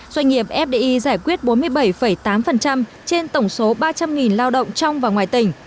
doanh nghiệp fdi giải quyết bốn mươi bảy tám trên tổng số ba trăm linh lao động trong và ngoài tỉnh